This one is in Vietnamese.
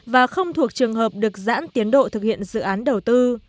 và không thuộc trường hợp được giãn tiến độ thực hiện dự án đầu tư